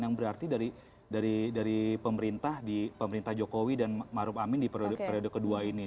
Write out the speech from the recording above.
yang berarti dari pemerintah jokowi dan maruf amin di periode kedua ini